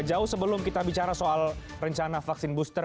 jauh sebelum kita bicara soal rencana vaksin booster